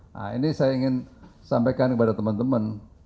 nah ini saya ingin sampaikan kepada teman teman